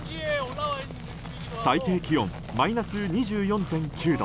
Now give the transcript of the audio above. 最低気温マイナス２４．９度。